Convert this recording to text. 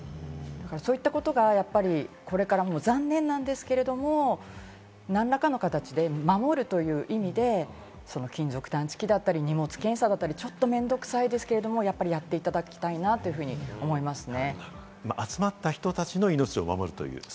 そういったことがやっぱりこれからも残念なんですけども、何らかの形で守るという意味で、金属探知機だったり、荷物検査だったり、ちょっと面倒くさいんですけど、やっていただきたいなというふうに思いますね。